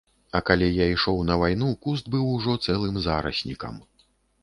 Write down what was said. А калі я ішоў на вайну, куст быў ужо цэлым зараснікам.